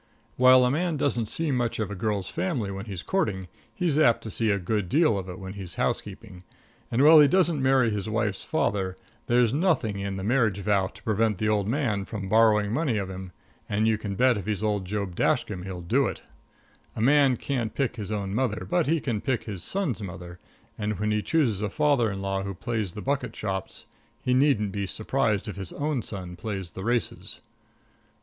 While a man doesn't see much of a girl's family when he's courting, he's apt to see a good deal of it when he's housekeeping; and while he doesn't marry his wife's father, there's nothing in the marriage vow to prevent the old man from borrowing money of him, and you can bet if he's old Job Dashkam he'll do it. A man can't pick his own mother, but he can pick his son's mother, and when he chooses a father in law who plays the bucket shops, he needn't be surprised if his own son plays the races.